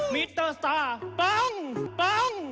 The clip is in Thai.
มิสเตอร์สตาร์ป้องป้อง